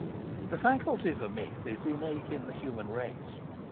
The faculty for myth is innate in the human race.